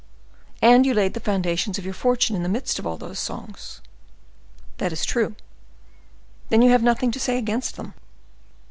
"And you laid the foundations of your fortune in the midst of all those songs?" "That is true." "Then you have nothing to say against them."